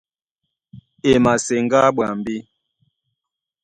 E maseŋgá ɓwambí.